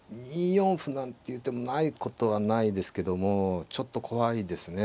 ２四歩なんていう手もないことはないですけどもちょっと怖いですね。